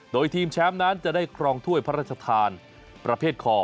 โดยทีมแชมป์นั้นจะได้ครองถ้วยพระราชทานประเภทคอ